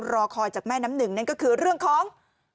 รอคอยจากแม่น้ำหนึ่งนั่นก็คือเรื่องของ